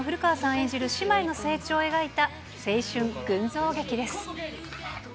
演じる姉妹の成長を描いた青春群像劇です。